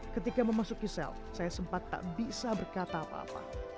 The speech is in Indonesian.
ketika memasuki sel saya sempat tak bisa berkata apa apa